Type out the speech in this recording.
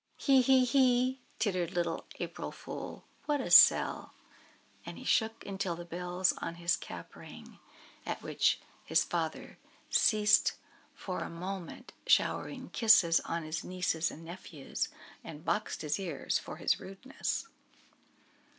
he! he!" tittered little April Fool. "What a sell!" And he shook until the bells on his cap rang; at which his father ceased for a moment showering kisses on his nieces and nephews, and boxed his ears for his rudeness.